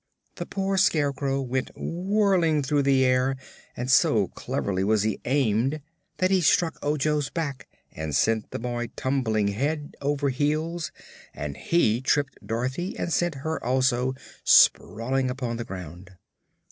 The poor Scarecrow went whirling through the air and so cleverly was he aimed that he struck Ojo's back and sent the boy tumbling head over heels, and he tripped Dorothy and sent her, also, sprawling upon the ground.